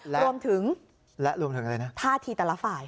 รวมถึงภาษาทีแต่ละฝ่ายและรวมถึงอะไรนะ